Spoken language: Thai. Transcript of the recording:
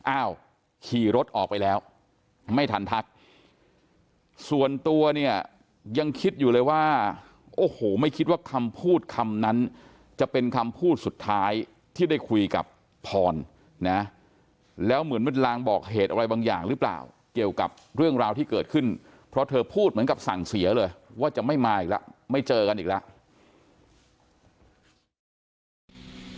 อ้าวขี่รถออกไปแล้วไม่ทันทักส่วนตัวเนี่ยยังคิดอยู่เลยว่าโอ้โหไม่คิดว่าคำพูดคำนั้นจะเป็นคำพูดสุดท้ายที่ได้คุยกับพรนะแล้วเหมือนเป็นลางบอกเหตุอะไรบางอย่างหรือเปล่าเกี่ยวกับเรื่องราวที่เกิดขึ้นเพราะเธอพูดเหมือนกับสั่งเสียเลยว่าจะไม่มาอีกแล้วไม่เจอกันอีกแล้ว